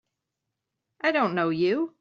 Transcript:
I don't know you!